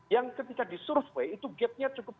yang ketika disurvei itu gap nya cukup